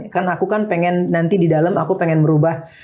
kan aku kan pengen nanti di dalam aku pengen berubah